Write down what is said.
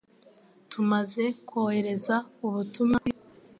Tumaze kohereza ubutumwa kuri .